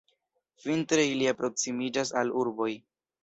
Vintre ili alproksimiĝas al urboj.